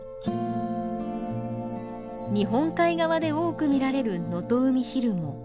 日本海側で多く見られるノトウミヒルモ。